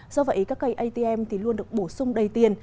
do vậy các cây atm thì luôn được bổ sung đầy tiền